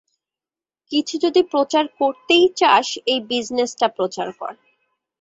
কিছু যদি প্রচার করতেই চাস, এই বিজনেসটা প্রচার কর।